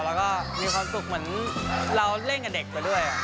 แล้วก็มีความสุขเหมือนเราเล่นกับเด็กไปด้วย